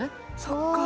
そっか。